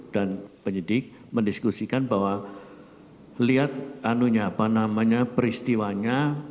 dan penyidik mendiskusikan bahwa lihat anunya apa namanya peristiwanya